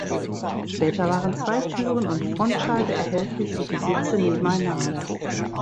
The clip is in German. Später waren zwei Türen und Frontscheibe erhältlich und die Sitze nebeneinander.